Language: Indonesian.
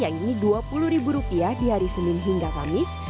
harga tiket yang dijual yang ini dua puluh ribu rupiah di hari senin hingga pagodas